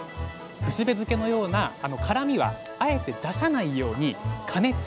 ふすべ漬のようなあの辛みはあえて出さないように加熱は短時間。